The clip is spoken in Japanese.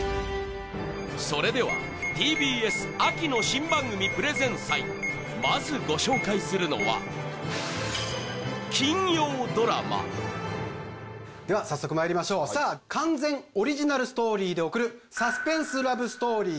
それでは「ＴＢＳ秋の新番組プレゼン祭」まずご紹介するのはでは早速まいりましょうさあ完全オリジナルストーリーで送るサスペンスラブストーリー